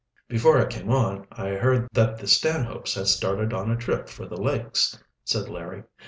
"Before I came on, I heard that the Stanhopes had started on a trip for the lakes," said Larry.